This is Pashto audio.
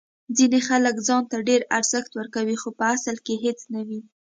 ځینې خلک ځان ته ډیر ارزښت ورکوي خو په اصل کې هیڅ نه وي.